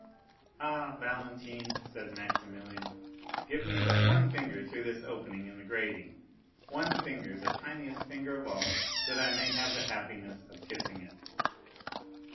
"Ah, Valentine," said Maximilian, "give me but one finger through this opening in the grating, one finger, the littlest finger of all, that I may have the happiness of kissing it."